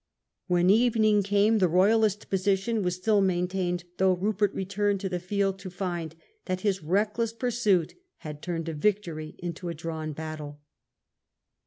When evening came the Royalist position was still maintained, though Rupert returned to the field to find that his reckless pursuit had turned a victory into a drawn battle.